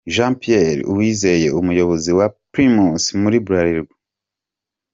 Jean Pierre Uwizeye umuyobozi wa Primus muri Bralirwa.